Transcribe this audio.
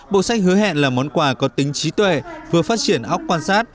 bộ sách hứa hẹn là món quà có tính trí tuệ vừa phát triển óc quan sát